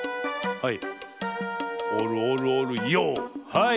はい。